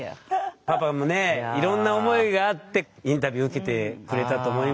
パパもねいろんな思いがあってインタビュー受けてくれたと思いますよ。